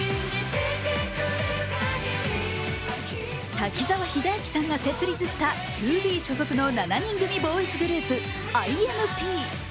滝沢秀明さんが設立したＴＯＢＥ所属の７人組ボーイズグループ、ＩＭＰ．。